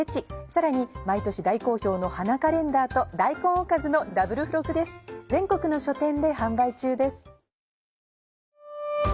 さらに毎年大好評の花カレンダーと大根おかずのダブル付録です。